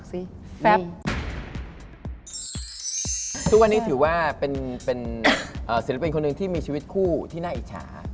สิริปเป็นคนหนึ่งที่มีชีวิตคู่ที่น่าอิจฉา